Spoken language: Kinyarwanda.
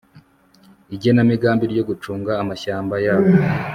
igenamigambi ryo gucunga amashyamba yabo